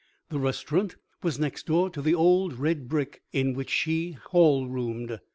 The restaurant was next door to the old red brick in which she hall roomed.